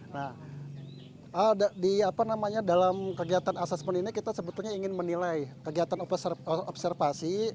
nah di apa namanya dalam kegiatan asesmen ini kita sebetulnya ingin menilai kegiatan observasi